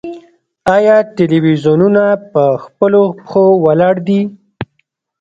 آیا تلویزیونونه په خپلو پښو ولاړ دي؟